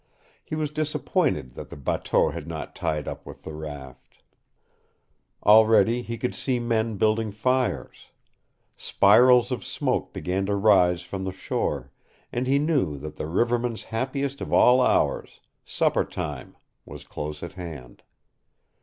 He was disappointed that the bateau had not tied up with the raft. Already he could see men building fires. Spirals of smoke began to rise from the shore, and he knew that the riverman's happiest of all hours, supper time, was close at hand.